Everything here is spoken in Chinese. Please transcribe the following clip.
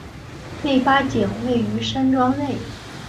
内八景位于山庄内。